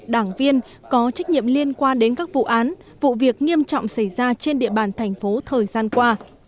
đảng viên có trách nhiệm liên quan đến các vụ án vụ việc nghiêm trọng xảy ra trên địa bàn thành phố thời gian qua